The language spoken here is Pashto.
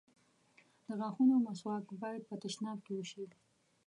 د غاښونو مسواک بايد په تشناب کې وشي.